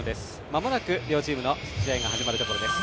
まもなく両チームの試合が始まるところです。